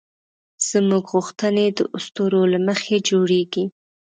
زموږ غوښتنې د اسطورو له مخې جوړېږي.